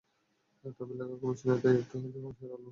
তবে লোধা কমিশনের রায়ে একটু হলেও আশার আলো আছে চেন্নাইয়ের জন্য।